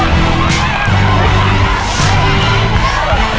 สวัสดีครับ